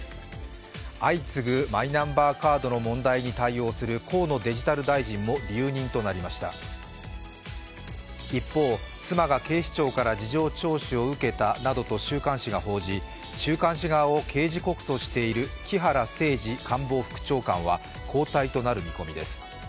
相次ぐマイナンバーカードの対応する河野デジタル大臣も留任となりました一方、妻が警視庁から事情聴取を受けたなどと週刊誌に報じられ週刊誌側を刑事告訴している木原誠二官房副長官は交代となる見込みです。